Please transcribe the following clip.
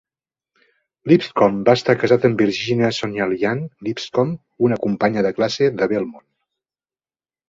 Lipscomb va estar casat amb Virginia Sognalian Lipscomb, una companya de classe de Belmont.